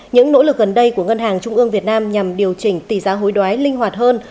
những nỗ lực gần đây của ngân hàng trung ương việt nam nhằm điều chỉnh tỷ giá hối đoái linh hoạt hơn